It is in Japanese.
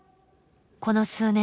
この数年